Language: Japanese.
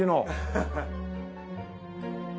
ハハハ。